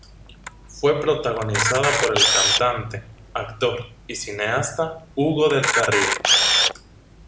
Fue protagonizada por el cantante, actor y cineasta Hugo del Carril.